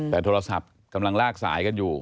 แต่โทรศัพท์กำลังลากสายกันอยู่